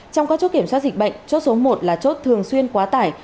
trong các chốt kiểm soát dịch bệnh chốt số một là chốt thường xuyên quá tải